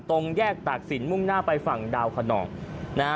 ตรงแยกตากศิลปมุ่งหน้าไปฝั่งดาวขนองนะฮะ